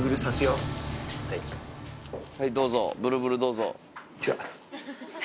はいどうぞブルブルどうぞ。